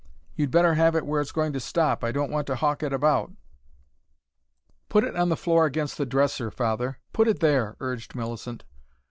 "You'd better have it where it's going to stop. I don't want to hawk it about." "Put it on the floor against the dresser, Father. Put it there," urged Millicent.